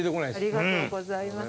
ありがとうございます。